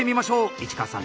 市川さん